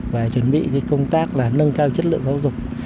và chuẩn bị công tác là nâng cao chất lượng giáo dục